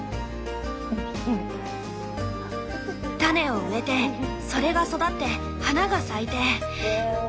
種を植えてそれが育って花が咲いて。